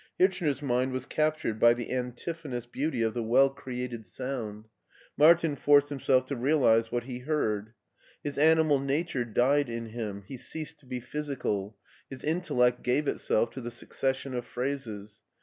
Hirchner's mind was cap tured by the antiphonous beauty of the well created BERLIN 177 sound. Martin forced himself to realize what he heard. His animal nature died in him, he ceased to be physical, his intellect gave itself to the succession of phrases.